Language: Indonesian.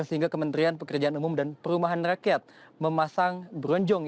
sehingga kementerian pekerjaan umum dan perumahan rakyat memasang bronjong